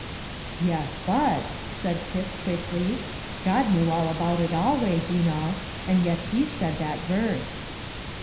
"Yes, but," said Tip quickly, "God knew all about it always, you know; and yet He said that verse."